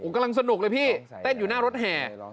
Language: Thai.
กำลังสนุกเลยพี่เต้นอยู่หน้ารถแห่